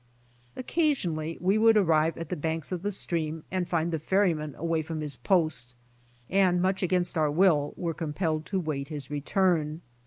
Occasionally we would arrive at the banks of the stream and find the ferry man away from his post, and much against our will were compelled to wait his return.